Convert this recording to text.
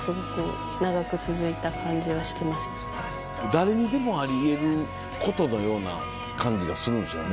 誰にでもあり得ることのような感じがするんですよね。